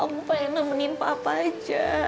aku pengen nemenin papa aja